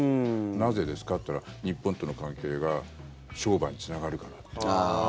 なぜですか？って言ったら日本との関係が商売につながるからって。